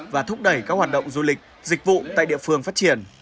và thúc đẩy các hoạt động du lịch dịch vụ tại địa phương phát triển